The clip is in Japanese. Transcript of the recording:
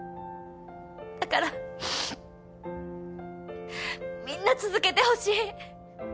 だからみんな続けてほしい。